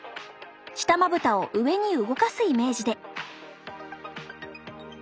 下まぶたを上に動かすイメージで。